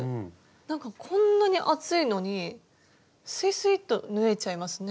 なんかこんなに厚いのにスイスイッと縫えちゃいますね。